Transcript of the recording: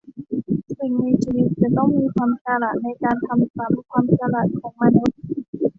สิ่งมีชีวิตจะต้องมีความฉลาดในการทำซ้ำความฉลาดของมนุษย์